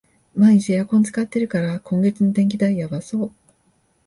毎日エアコン使ってるから、今月の電気代やばそう